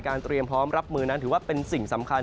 เตรียมพร้อมรับมือนั้นถือว่าเป็นสิ่งสำคัญ